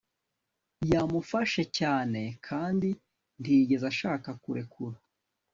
Yamufashe cyane kandi ntiyigeze ashaka kurekura